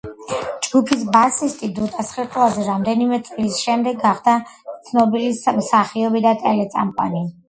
ჯგუფის ბასისტი, დუტა სხირტლაძე, რამდენიმე წლის შემდეგ გახდა ცნობილი მსახიობი და ტელეწამყვანი.